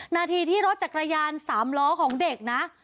นาทีที่รถจักรยาน๓ล้อของเด็กนะ